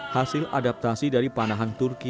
hasil adaptasi dari panahan turki